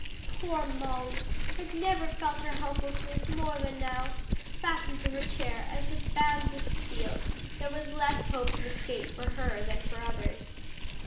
Poor Molly had never felt her helplessness more than now; fastened to her chair as with bands of steel, there was less hope of escape for her than for others.